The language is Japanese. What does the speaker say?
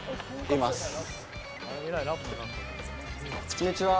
こんにちは。